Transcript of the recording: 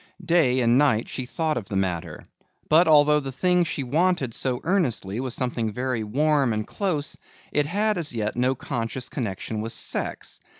Day and night she thought of the matter, but although the thing she wanted so earnestly was something very warm and close it had as yet no conscious connection with sex.